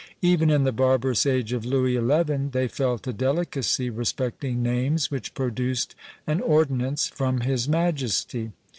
Even in the barbarous age of Louis XI., they felt a delicacy respecting names, which produced an ordinance from his majesty.